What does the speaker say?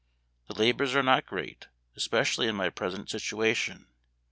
The labors are not great, especially in my present situation.